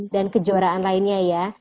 dan kejuaraan lainnya ya